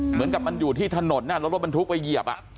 เหมือนกับมันอยู่ที่ถนนแล้วรถบรรทุกไปเหยียบ